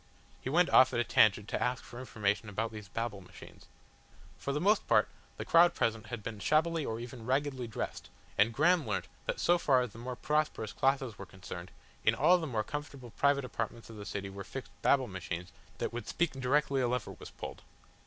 He went off at a tangent to ask for information about these Babble Machines. For the most part, the crowd present had been shabbily or even raggedly dressed, and Graham learnt that so far as the more prosperous classes were concerned, in all the more comfortable private apartments of the city were fixed Babble Machines that would speak directly a lever was pulled.